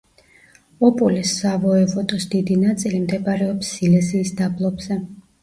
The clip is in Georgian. ოპოლეს სავოევოდოს დიდი ნაწილი მდებარეობს სილეზიის დაბლობზე.